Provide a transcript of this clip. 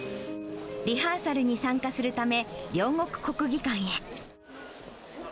リハーサルに参加するため、両国国技館へ。